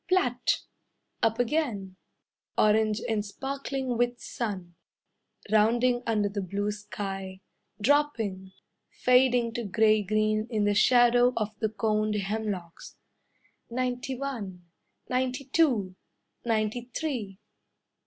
Plat! Up again, Orange and sparkling with sun, Rounding under the blue sky, Dropping, Fading to grey green In the shadow of the coned hemlocks. "Ninety one." "Ninety two." "Ninety three."